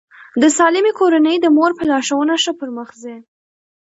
د سالمې کورنۍ د مور په لارښوونه ښه پرمخ ځي.